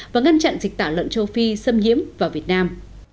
và ngăn chặn dịch tả lợn châu phi xâm nhiễm vào việt nam